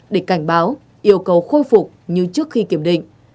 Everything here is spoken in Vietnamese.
để cảnh báo yêu cầu khôi phục như trước khi kiểm định